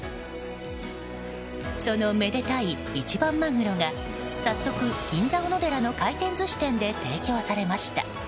そのめでたい一番マグロが、早速銀座おのでらの回転寿司店で提供されました。